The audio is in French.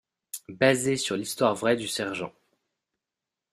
Basé sur l'histoire vraie du Sgt.